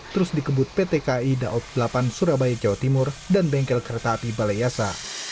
terus dikebut pt kai daob delapan surabaya jawa timur dan bengkel kereta api balai yasa